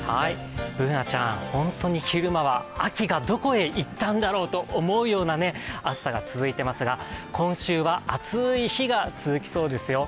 Ｂｏｏｎａちゃん、本当に昼間は秋がどこへ行ったんだろうと思うような暑さが続いていますが今週は暑い日が続きそうですよ。